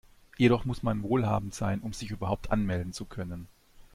Jedoch muss man wohlhabend sein, um sich überhaupt anmelden zu können.